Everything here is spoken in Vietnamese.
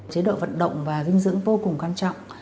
chế độ vận động và dinh dưỡng vô cùng quan trọng